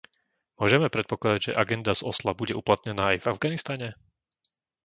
Môžeme predpokladať, že agenda z Osla bude uplatnená aj v Afganistane?